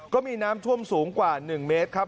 ก็มีน้ำท่วมสูงกว่า๑เมตรครับ